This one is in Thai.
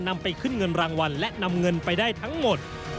นำไปขึ้นเงินรางวัลและนำเงินไปได้ทั้งหมด